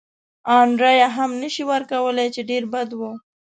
ان رایه هم نه شي ورکولای، چې ډېر بد و.